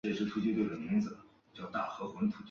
上书劝皇帝迁都汴京。